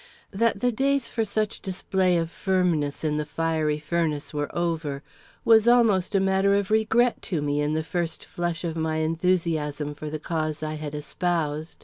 That the days for such display of firmness in the fiery furnace were over was almost a matter of regret to me in the first flush of my enthusiasm for the cause I had espoused.